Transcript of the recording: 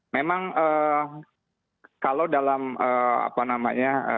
memang kalau dalam apa namanya